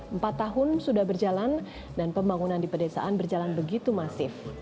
empat tahun sudah berjalan dan pembangunan di pedesaan berjalan begitu masif